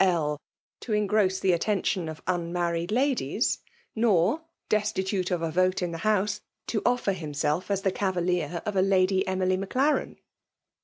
L. to engross the attention of unmanried ladies ; nor^ destitute of a vote in tike House, to oiTer himself as the cavalier of a Lady Emily Maclaren.